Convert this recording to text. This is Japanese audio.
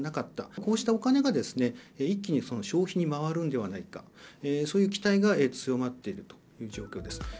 こうしたお金が、一気に消費に回るんではないか、そういう期待が強まっているという状況です。